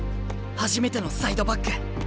初めてのサイドバック。